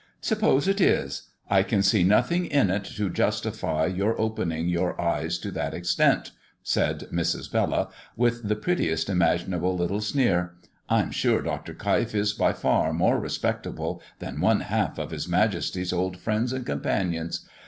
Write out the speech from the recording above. "Suppose it is, I can see nothing in it to justify your opening your eyes to that extent!" said Mrs. Bella, with the prettiest imaginable little sneer. "I'm sure Dr. Keif is by far more respectable than one half of his majesty's old friends and companions.